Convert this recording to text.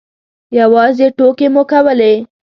یوازې ټوکې مو کولې.